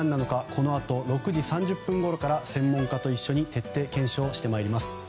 このあと６時半ごろから専門家と徹底検証していきます。